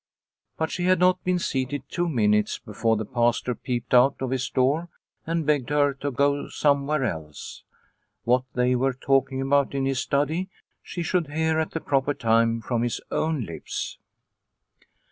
But she had not been seated two minutes before the Pastor peeped out of his door and begged her to go somewhere else. What they were talking about in his study she should hear at the proper time from his own lips.